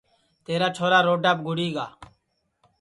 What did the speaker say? تیرا چھورا روڈاپ گُڑی گا